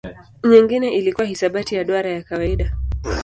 Nyingine ilikuwa hisabati ya duara ya kawaida.